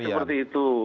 bisa jadi seperti itu